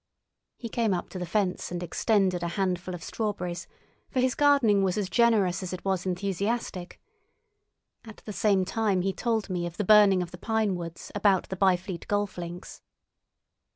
He came up to the fence and extended a handful of strawberries, for his gardening was as generous as it was enthusiastic. At the same time he told me of the burning of the pine woods about the Byfleet Golf Links.